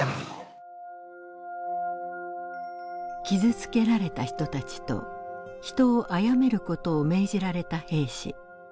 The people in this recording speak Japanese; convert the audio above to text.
傷つけられた人たちと人を殺める事を命じられた兵士。